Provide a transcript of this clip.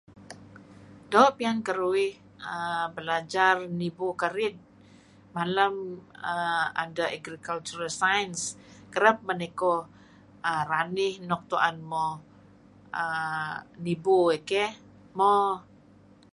do pian keduwih um belajar nibu kerid malem um ada agricultural science kereb men iko um ranih nuk tu'en muh um nibu ie keh mo